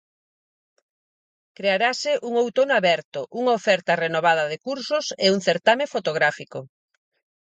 Crearase un Outono Aberto, unha oferta renovada de cursos e un certame fotográfico.